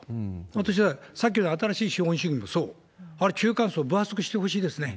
私は、さっきの新しい資本主義もそう、あれ、中間層分厚くしてほしいですね。